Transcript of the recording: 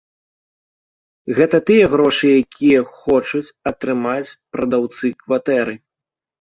Гэта тыя грошы, якія хочуць атрымаць прадаўцы кватэры.